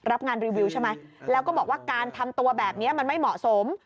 รับงานรีวิวใช่ไหมแล้วก็บอกว่าการทำตัวแบบนี้มันไม่เหมาะสม